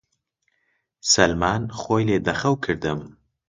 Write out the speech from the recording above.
سەلمان! خۆی لێ دە خەو کردم